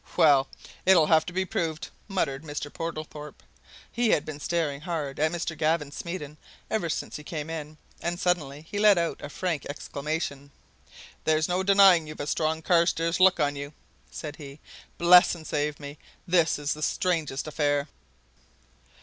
"Well it'll have to be proved," muttered Mr. Portlethorpe. He had been staring hard at Mr. Gavin Smeaton ever since he came in, and suddenly he let out a frank exclamation. "There's no denying you've a strong Carstairs look on you!" said he. "Bless and save me! this is the strangest affair!"